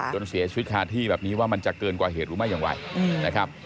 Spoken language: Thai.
จนเสียชีวิตคาที่แบบนี้ว่ามันจะเกินกว่าเหตุหรือไม่อย่างไรนะครับ